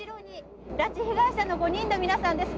拉致被害者の５人の皆さんです。